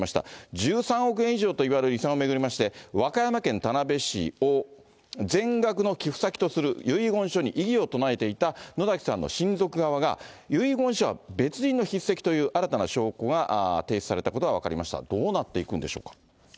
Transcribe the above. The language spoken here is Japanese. １３億円以上といわれる遺産を巡りまして、和歌山県田辺市を全額の寄付先とする遺言書に異議を唱えていた野崎さんの親族側が、遺言者は別人の筆跡という新たな証拠が提出されたことが分かりました。